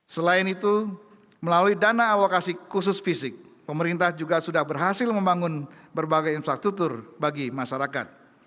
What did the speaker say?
selain itu melalui dana alokasi khusus fisik pemerintah juga sudah berhasil membangun berbagai infrastruktur bagi masyarakat